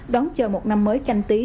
đón chờ một năm mới canh tí